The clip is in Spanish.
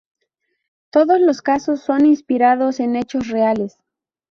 Todos los casos son inspirados en hechos reales.